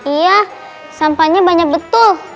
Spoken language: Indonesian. iya sampahnya banyak betul